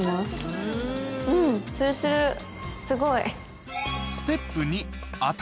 すごい。